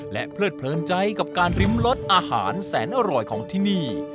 และเพลิดเพลินใจกับการริมรสอาหารแสนอร่อยของที่นี่